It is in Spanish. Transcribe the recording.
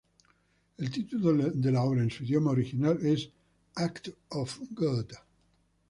El título de la obra, en su idioma original, es "Act of God".